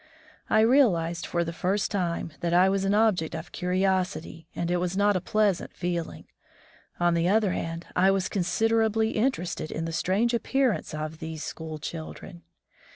I realized for the first time that I was an object of curiosity, and it was not a pleasant feeling. On the other hand, I was consider ably interested in the strange appearance of these school children.